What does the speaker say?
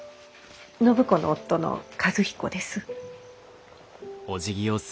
暢子の夫の和彦です。